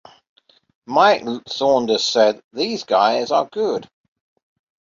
Mike Saunders said: These guys are good.